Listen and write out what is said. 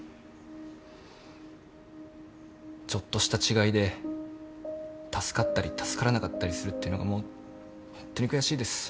ちょっとした違いで助かったり助からなかったりするってのがもうホントに悔しいです。